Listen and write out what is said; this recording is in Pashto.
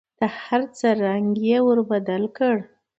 د هر څه رنګ یې ور بدل کړ .